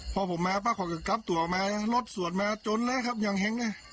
พอผมมาก็พัดให้กับกางมิดสตรับตัวลดส่วนมาจนเลยยังเห็น